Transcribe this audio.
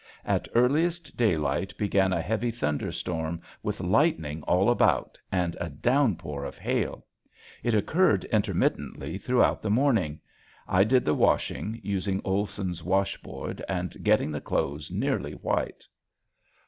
At earliest daylight began a heavy thunderstorm with lightning all about and a downpour of hail. It occurred intermittently throughout the morning.... I did the washing, using Olson's washboard and getting the clothes nearly white.